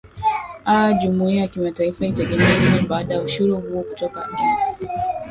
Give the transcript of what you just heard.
aa jumuiya ya kimataifa itegemee nini baada ya ushuru huo kutoka imf